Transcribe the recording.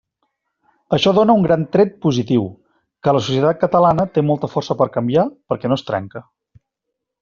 Això dóna un gran tret positiu: que la societat catalana té molta força per canviar, perquè no es trenca.